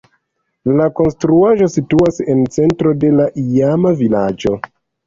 La konstruaĵo situas en centro de la iama vilaĝo.